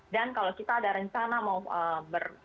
dan kalau kita ada rencana mau ber